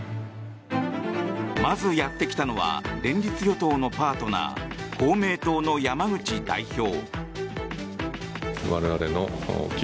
まずやってきたのは連立与党のパートナー公明党の山口代表。